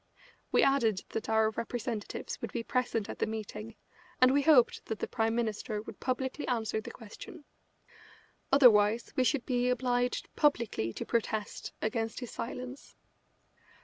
We added that our representatives would be present at the meeting, and we hoped that the Prime Minister would publicly answer the question. Otherwise we should be obliged publicly to protest against his silence.